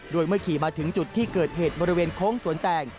โดยเมื่อขี่มาถึงจุดที่เกิดเหตุบริเวณโค้งสวนแตง